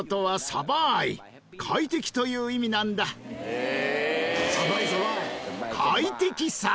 へえ。